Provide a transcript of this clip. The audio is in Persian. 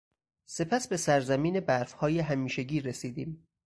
سپس به سرزمین برفهای همیشگی رسیدیم.